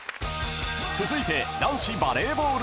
［続いて男子バレーボール編］